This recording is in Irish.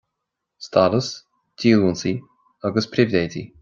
Stádas, Díolúintí agus Pribhléidí.